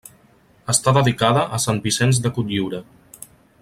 Està dedicada a sant Vicenç de Cotlliure.